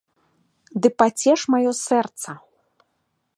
Ды пацеш маё сэрца.